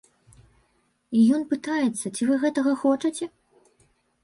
І ён пытаецца, ці вы гэтага хочаце?